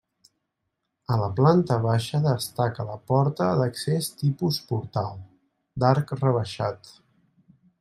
A la planta baixa destaca la porta d'accés tipus portal, d'arc rebaixat.